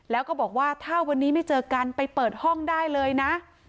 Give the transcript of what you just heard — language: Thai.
แล้วก็บอกว่าถ้าวันนี้ไม่เจอกันไปเปิดห้องได้เลยนะ